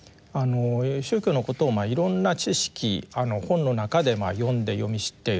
宗教のことをいろんな知識本の中で読んで読み知っている。